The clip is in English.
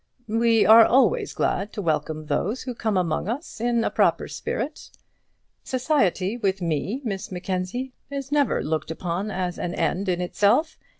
"We are always glad to welcome those who come among us in a proper spirit. Society with me, Miss Mackenzie, is never looked upon as an end in itself.